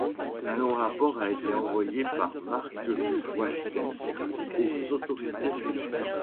Un long rapport a été envoyé par Marc Waelkens aux autorités suisses.